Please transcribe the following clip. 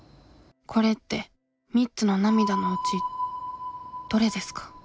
これって３つの涙のうちどれですか？